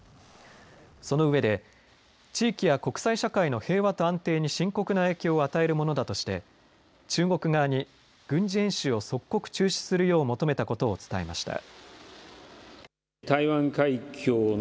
そのうえで地域や国際社会の平和と安定に深刻な影響を与えるものだとして中国側に軍事演習を即刻中止するよう求めたことを伝えました。